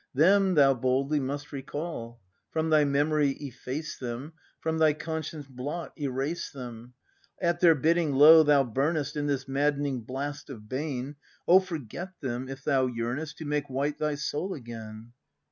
Them thou boldly must recall. From thy memory efface them. From thy conscience blot, erase them; At their bidding, lo, thou burnest In this maddening blast of bane; — O forget them, if thou yearnest To make white thy soul again!